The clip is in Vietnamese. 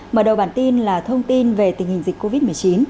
mở đầu bản tin là thông tin về tình hình dịch covid một mươi chín